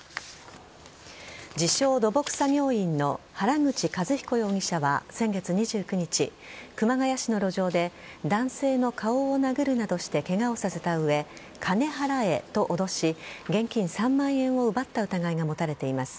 自称・土木作業員の原口一彦容疑者は先月２９日熊谷市の路上で男性の顔を殴るなどしてケガをさせた上金払えと脅し現金３万円を奪った疑いが持たれています。